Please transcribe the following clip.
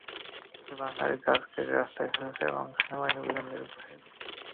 কিছু বাঙালি গাছ কেটে রাস্তায় ফেলেছে এবং সেনাবাহিনী অভিযানে বের হয়ে গেছে।